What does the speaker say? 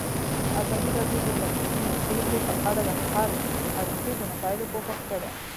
ازادي راډیو د طبیعي پېښې په اړه د هر اړخیزو مسایلو پوښښ کړی.